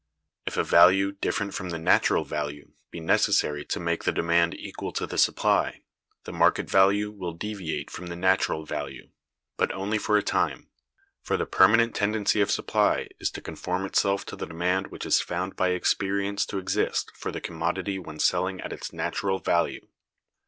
If a value different from the natural value be necessary to make the demand equal to the supply, the market value will deviate from the natural value; but only for a time, for the permanent tendency of supply is to conform itself to the demand which is found by experience to exist for the commodity when selling at its natural value.